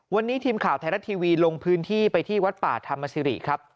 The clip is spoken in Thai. วันนี้ทีมข่าวไทยรัฐทีวีลงพื้นที่ไปที่วัดป่าธรรมสิริครับ